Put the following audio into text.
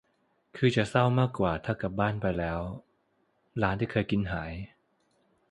คือจะเศร้ามากถ้ากลับบ้านไป แล้วร้านที่เคยกินหาย